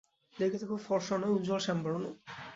দেখিতে খুব ফরসা নয়, উজ্জ্বল শ্যামবর্ণ।